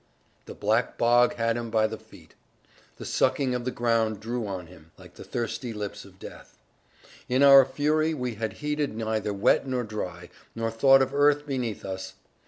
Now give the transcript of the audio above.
The black bog had him by the feet; the sucking of the ground drew on him, like the thirsty lips of death. In our fury we had heeded neither wet nor dry, nor thought of earth beneath us.